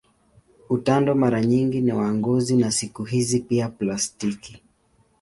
Utando mara nyingi ni wa ngozi na siku hizi pia plastiki.